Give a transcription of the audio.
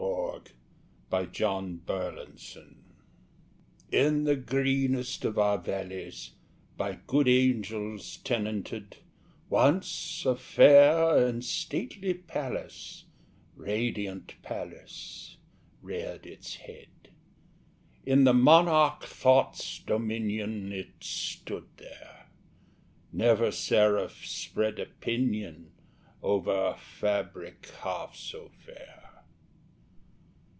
THE HAUNTED PALACE In the greenest of our valleys By good angels tenanted, Once a fair and stately palace Radiant palace reared its head. In the monarch Thought's dominion It stood there! Never seraph spread a pinion Over fabric half so fair!